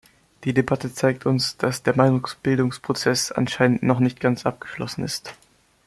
Die Debatte zeigt uns, dass der Meinungsbildungsprozess anscheinend noch nicht ganz abgeschlossen ist.